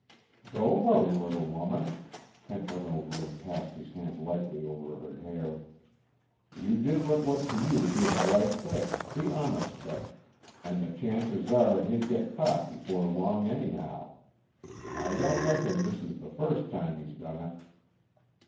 "Don't worry, little woman." Kent went over and passed his hand lightly over her hair. "You did what looked to you to be the right thing the honest thing. And the chances are he'd get caught before long, anyhow. I don't reckon this is the first time he's done it."